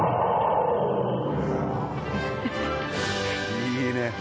いいね！